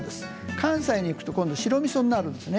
関西に行くと白みそになるんですね。